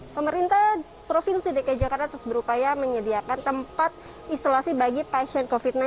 pemerintah provinsi dki jakarta terus berupaya menyediakan tempat isolasi bagi pasien covid sembilan belas